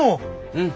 うん。